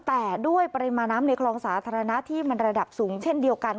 แต่ด้วยปริมาณน้ำในคลองสาธารณะที่มันระดับสูงเช่นเดียวกัน